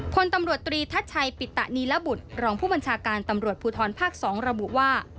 พลตำรวจตรีทัชชัยปิตะนีระบุตรรองผู้บัญชาการตำรวจภูทรภาค๒ระบุว่า